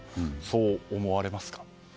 そう思われますか？